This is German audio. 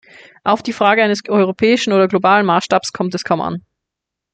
Auf die Frage eines europäischen oder globalen Maßstabs kommt es kaum an.